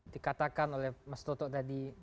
dikatakan oleh mas toto tadi